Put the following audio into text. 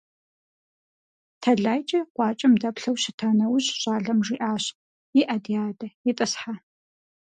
ТэлайкӀэ къуакӀэм дэплъэу щыта нэужь, щӀалэм жиӀащ: - ИӀэ, ди адэ, итӀысхьэ.